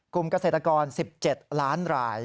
กลุ่มเกษตรกร๑๗ล้านราย